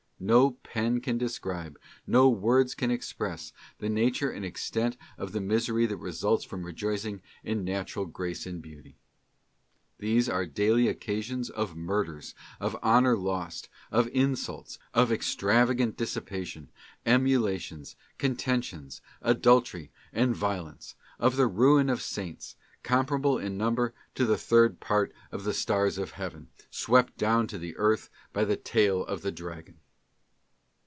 No pen can describe, no words can ex press, the nature and extent of the misery that results from rejoicing in natural grace and beauty. These are daily occa sions of murders, of honour lost, of insults, of extravagant dissipation, emulations, contentions, adultery and violence, of the ruin of Saints, comparable in number to the third part of the stars of heaven, swept down to the earth by the tail of the dragon.